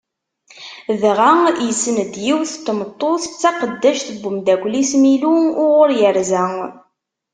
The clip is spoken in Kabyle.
Dɣa yessen-d yiwet n tmeṭṭut, d taqeddact n umdakel-is Milu uɣur yerza.